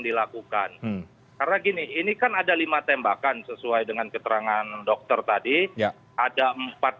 dilakukan karena gini ini kan ada lima tembakan sesuai dengan keterangan dokter tadi ada empat